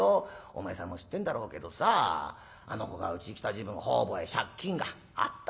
お前さんも知ってんだろうけどさあの子がうちへ来た時分方々へ借金があった。